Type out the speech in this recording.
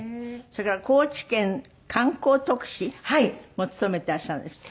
それから高知県観光特使も務めてらっしゃるんですって？